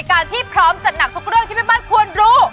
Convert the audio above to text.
การที่พร้อมจัดหนักทุกเรื่องที่แม่บ้านควรรู้